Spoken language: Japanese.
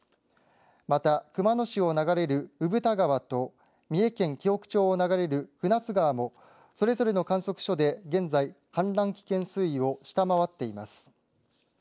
また熊野市を流れる産田川と三重県紀北町を流れる船津川もそれぞれの観測所で現在、氾濫危険水位を下回っています。